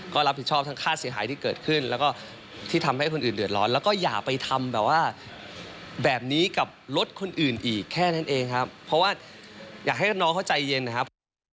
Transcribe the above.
ก็รับผิดชอบทั้งค่าเสียหายที่เกิดขึ้นแล้วก็ที่ทำให้คนอื่นเดือดร้อนแล้วก็อย่าไปทำแบบว่าแบบนี้กับรถคนอื่นอีกแค่นั้นเองครับเพราะว่าอยากให้น้องเขาใจเย็นนะครับ